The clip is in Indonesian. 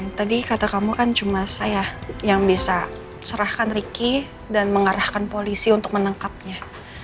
ya tadi kata kamu kan cuma saya yang bisa serahkan ricky dan mengarahkan polisi untuk menangkapnya